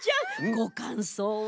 ごかんそうは？